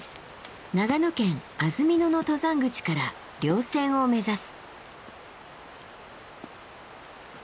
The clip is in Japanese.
長野県安曇野の登山口から稜線を目指す。